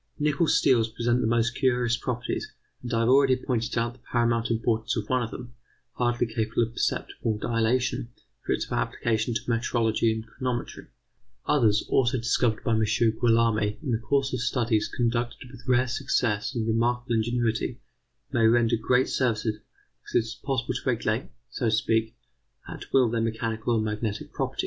Nickel steels present the most curious properties, and I have already pointed out the paramount importance of one of them, hardly capable of perceptible dilatation, for its application to metrology and chronometry. Others, also discovered by M. Guillaume in the course of studies conducted with rare success and remarkable ingenuity, may render great services, because it is possible to regulate, so to speak, at will their mechanical or magnetic properties.